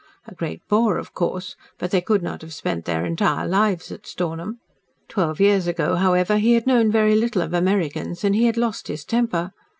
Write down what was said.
A great bore, of course, but they could not have spent their entire lives at Stornham. Twelve years ago, however, he had known very little of Americans, and he had lost his temper.